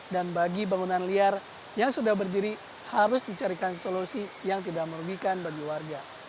dan bagi bangunan liar yang sudah berdiri harus dicarikan solusi yang tidak merugikan bagi warga